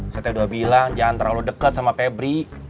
saya tanya dua bilang jangan terlalu deket sama pebri